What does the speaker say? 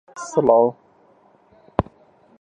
دووسبەی دەبمە سێزدە ساڵ.